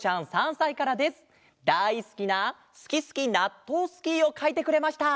だいすきな「すきすき！ナットウスキ」をかいてくれました。